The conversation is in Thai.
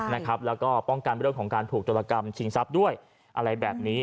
แล้วก็ป้องกันเรื่องของการถูกโจรกรรมชิงทรัพย์ด้วยอะไรแบบนี้